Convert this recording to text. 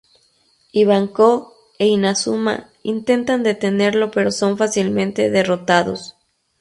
Ivankov e Inazuma intentan detenerlo pero son fácilmente derrotados.